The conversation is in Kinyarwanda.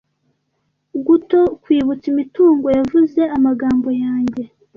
Guto kwibutsa imitungo yavuze amagambo yanjye,